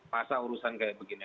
masa urusan kaya begini